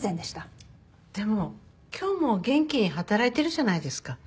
でも今日も元気に働いてるじゃないですか。